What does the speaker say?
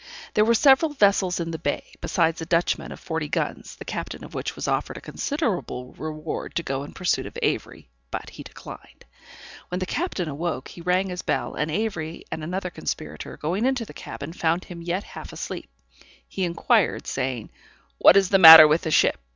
There were several vessels in the bay, besides a Dutchman of forty guns, the captain of which was offered a considerable reward to go in pursuit of Avery, but he declined. When the captain awoke, he rang his bell, and Avery and another conspirator going into the cabin, found him yet half asleep. He inquired, saying, "What is the matter with the ship?